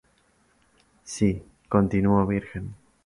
Si continúo virgen.